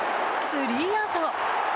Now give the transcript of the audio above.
スリーアウト。